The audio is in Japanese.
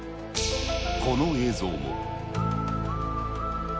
この映像も。